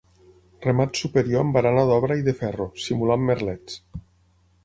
Remat superior amb barana d'obra i de ferro, simulant merlets.